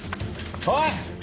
おい！